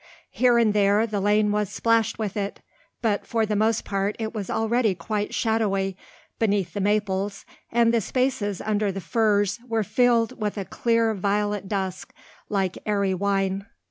Here and there the lane was splashed with it, but for the most part it was already quite shadowy beneath the maples, and the spaces under the firs were filled with a clear violet dusk like airy wine.